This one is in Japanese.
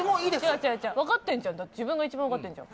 違う違う違う分かってんじゃん自分が一番分かってんじゃん